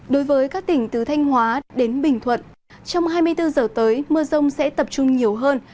đối với các tỉnh từ thanh hóa đến bình thuận trong hai mươi bốn giờ tới mưa rông sẽ tập trung nhiều hơn